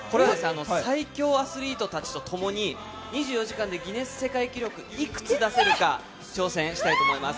最強アスリートたちとともに２４時間でギネス世界記録いくつ出せるか挑戦したいと思います。